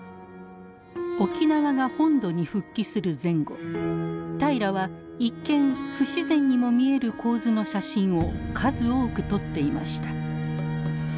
沖縄が本土に復帰する前後平良は一見不自然にも見える構図の写真を数多く撮っていました。